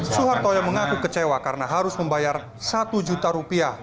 suharto yang mengaku kecewa karena harus membayar satu juta rupiah